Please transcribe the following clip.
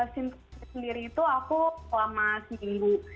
simptomnya sendiri itu aku lama seminggu